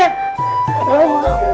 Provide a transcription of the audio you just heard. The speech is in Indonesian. roh mau mak